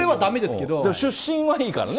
でも出身はいいからね。